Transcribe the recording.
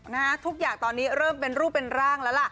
นะฮะทุกอย่างตอนนี้เริ่มเป็นรูปเป็นร่างแล้วล่ะ